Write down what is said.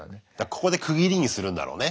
ここで区切りにするんだろうね。